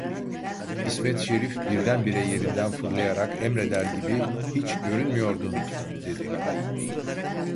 İsmet Şerif, birdenbire yerinden fırlayarak emreder gibi: "Hiç görünmüyordun!" dedi.